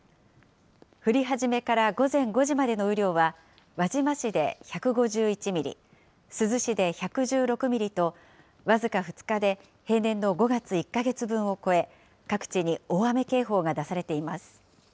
降り始めから午前５時までの雨量は、輪島市で１５１ミリ、珠洲市で１１６ミリと、僅か２日で平年の５月１か月分を超え、各地に大雨警報が出されています。